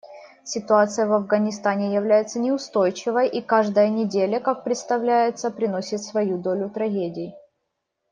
Ситуация в Афганистане является неустойчивой, и каждая неделя, как представляется, приносит свою долю трагедий.